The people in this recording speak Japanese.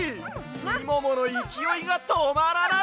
みもものいきおいがとまらない！